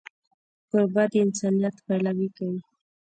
کوربه د انسانیت پلوی وي.